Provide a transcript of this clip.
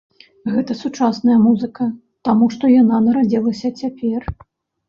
Гэта сучасная музыка, таму што яна нарадзілася цяпер.